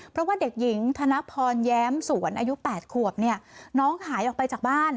เพราะว่าเด็กหญิงธนพรแย้มสวนอายุ๘ขวบเนี่ยน้องหายออกไปจากบ้าน